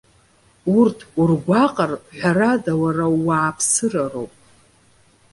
Урҭ ургәаҟыр, ҳәарада, уара ууааԥсыра роуп.